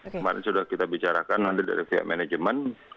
kemarin sudah kita bicarakan nanti dari pihak manajemen